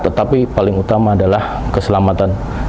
tetapi paling utama adalah keselamatan